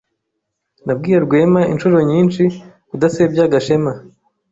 Nabwiye Rwema inshuro nyinshi kudasebya Gashema.